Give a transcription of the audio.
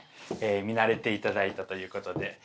見慣れていただいたということで。